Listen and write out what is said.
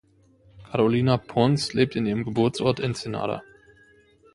Carolina Ponce lebt in ihrem Geburtsort Ensenada.